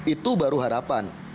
itu baru harapan